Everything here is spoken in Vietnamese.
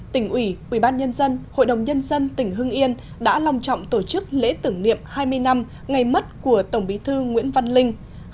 tỉnh ủy ubnd hội đồng nhân dân tỉnh hưng yên đã lòng trọng tổ chức lễ tưởng niệm hai mươi năm ngày mất của tổng bí thư nguyễn văn linh